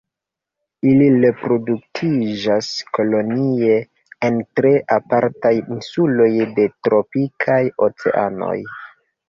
Ili reproduktiĝas kolonie en tre apartaj insuloj de tropikaj oceanoj.